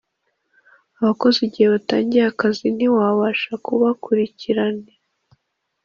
abakozi igihe batangiye akazi ntiwabasha kubakurikirana